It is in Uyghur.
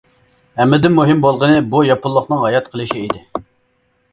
ھەممىدىن مۇھىم بولغىنى بۇ ياپونلۇقنىڭ ھايات قېلىشى ئىدى.